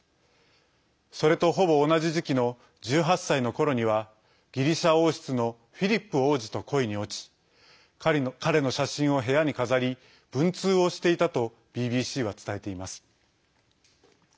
それとほぼ同じ時期の１８歳のころにはギリシャ王室のフィリップ王子と恋に落ち彼の写真を部屋に飾り文通をしていたとＢＢＣは伝えています。